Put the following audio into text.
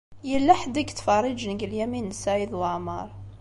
Yella ḥedd i yettfeṛṛiǧen deg Lyamin n Saɛid Waɛmeṛ.